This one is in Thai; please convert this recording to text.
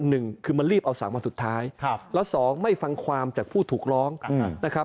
หนึ่งคือมันรีบเอาสามวันสุดท้ายแล้วสองไม่ฟังความจากผู้ถูกร้องนะครับ